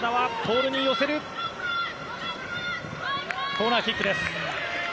コーナーキックです。